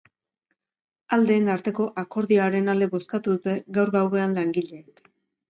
Aldeen arteko akordioaren alde bozkatu dute gaur gauean langileek.